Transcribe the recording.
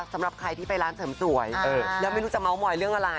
สำหรับใครที่ไปร้านเสริมสวยแล้วไม่รู้จะเมาส์มอยเรื่องอะไร